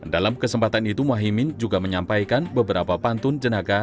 dalam kesempatan itu mohaimin juga menyampaikan beberapa pantun jenaga